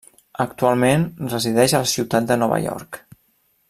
Actualment resideix a la ciutat de Nova York.